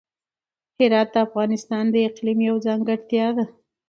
هرات د افغانستان د اقلیم یوه ځانګړتیا ده.